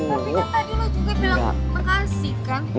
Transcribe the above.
tapi kan tadi lo juga bilang makasih kan